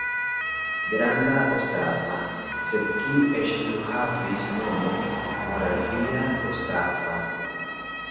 Granda Ostrava, sed kiu eĉ plu havis nomon Moravia Ostrava.